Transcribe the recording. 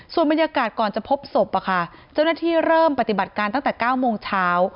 ส่วนบรรยากาศก่อนจะพบศพเจ้าหน้าที่เริ่มปฏิบัติการตั้งแต่๙โมงเช้า